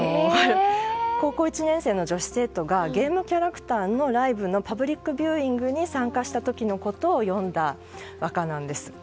高校１年の女子生徒がゲームキャラクターのライブのパブリックビューイングに参加した時のことを詠んだ和歌なんです。